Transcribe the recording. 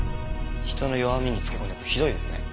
人の弱みにつけ込んでひどいですね。